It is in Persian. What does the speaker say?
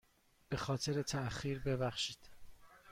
به خاطر تاخیر ببخشید.